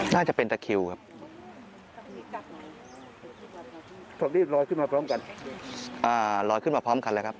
น่าจะเป็นตะคริวครับ